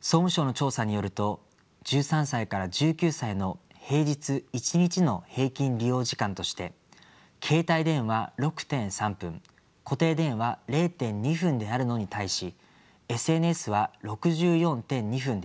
総務省の調査によると１３歳から１９歳の平日１日の平均利用時間として携帯電話６．３分固定電話０．２分であるのに対しＳＮＳは６４．２分でした。